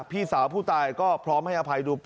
พี่สาวผู้ตายก็พร้อมให้อภัยดู